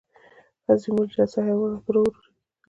عظیم الجثه حیوانات ورو ورو ورکېدل.